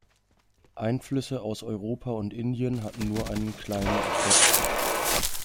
Einflüsse aus Europa und Indien hatten nur einen kleinen Effekt.